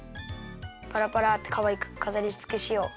パラパラってかわいくかざりつけしよう。